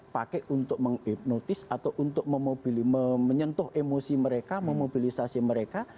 pakai untuk menghipnotis atau untuk menyentuh emosi mereka memobilisasi mereka